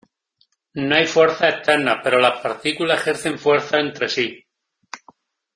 No hay fuerzas externas pero las partículas ejercen fuerzas entre sí.